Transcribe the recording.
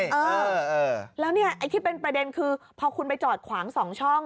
เออแล้วเนี่ยไอ้ที่เป็นประเด็นคือพอคุณไปจอดขวางสองช่อง